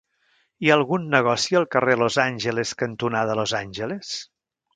Hi ha algun negoci al carrer Los Angeles cantonada Los Angeles?